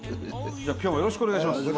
じゃ今日もよろしくお願いします。